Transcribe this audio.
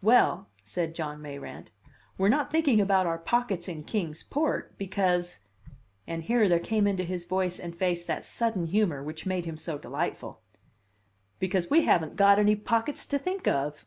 "Well," said John Mayrant, "we're not thinking about our pockets in Kings Port, because" (and here there came into his voice and face that sudden humor which made him so delightful) "because we haven't got any pockets to think of!"